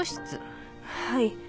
はい。